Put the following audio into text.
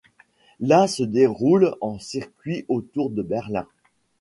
La se déroule en circuit autour de Berlin.